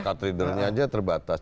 kartridernya aja terbatas